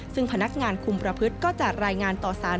ซึ่งพนักงานคุมประพฤติก็จะรายงานต่อสาร